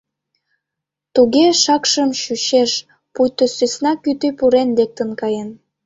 Туге шакшын чучеш, пуйто сӧсна кӱтӱ пурен лектын каен.